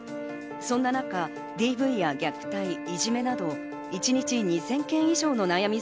そんな中、ＤＶや虐待、いじめなど一日２０００件以上の悩み